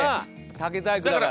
竹細工だから。